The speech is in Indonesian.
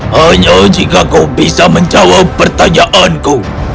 hanya jika kau bisa menjawab pertanyaanku